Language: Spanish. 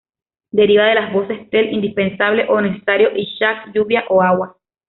Deriva de las voces "Tel", indispensable o necesario y "chaac", lluvia o agua.